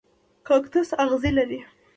کاکتوس اغزي لري